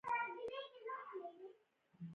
درد مو د کوم ځای دی؟